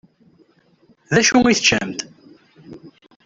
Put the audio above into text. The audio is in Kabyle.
Dacu i teččamt?